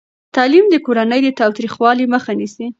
تعلیم د کورني تاوتریخوالي مخه نیسي.